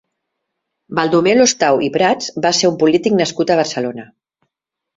Baldomer Lostau i Prats va ser un polític nascut a Barcelona.